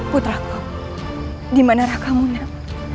putraku dimana rakamu nak